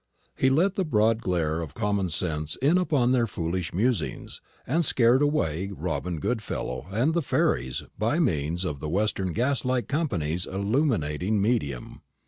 He let the broad glare of common sense in upon their foolish musings, and scared away Robin Goodfellow and the fairies by means of the Western Gaslight Company's illuminating medium.